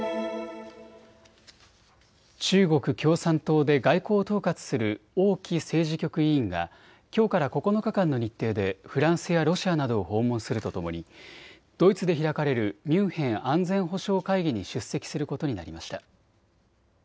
中国共産党で外交を統括する王毅政治局委員がきょうから９日間の日程でフランスやロシアなどを訪問するとともにドイツで開かれるミュンヘン安全保障会議に出席することになりました。